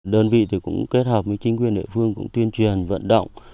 đơn vị kết hợp với chính quyền địa phương tuyên truyền vận động